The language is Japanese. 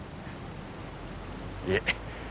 いえ。